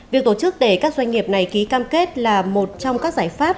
việc tổ chức để các doanh nghiệp này ký cam kết là một trong các giải pháp